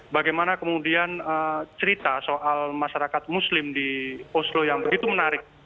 bagaimana kemudian cerita soal masyarakat muslim di oslo yang begitu menarik